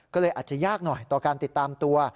ก็เลยอาจจะยากหน่อยต่อการติดตามตัว